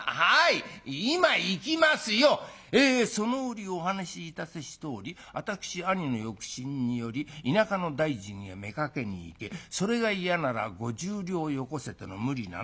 『その折お話しいたせしとおり私兄の欲心により田舎の大尽へ妾に行けそれが嫌なら５０両よこせとの無理難題。